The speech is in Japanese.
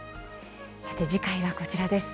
さて次回はこちらです。